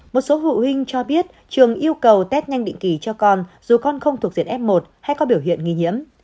một số phụ huynh cho biết trường yêu cầu test nhanh định kỳ cho con dù con không thuộc diện f một hay có biểu hiện nghi nhiễm